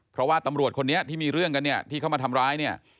เพราะว่าตำรวจคนนี้ที่มีเรื่องกันเนี่ยที่เข้ามาทำร้ายเนี่ย